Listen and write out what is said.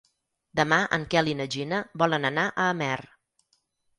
Demà en Quel i na Gina volen anar a Amer.